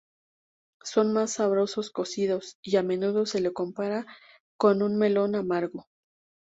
Son más sabrosos cocidos, y a menudo se lo compara con un melón amargo.